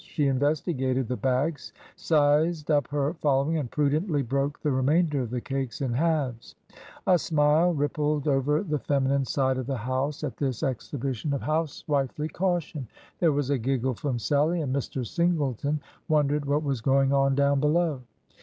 She investigated the bag, sized up her following, and prudently broke the remainder of the cakes in halves. A smile rippled over the feminine side of the house at this exhibition of house A STRONGHOLD OF ORTHODOXY 43 wifely caution, there was a giggle from Sallie, and Mr. Singleton wondered what was going on down below.